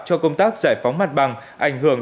cho công tác giải phóng mặt bằng ảnh hưởng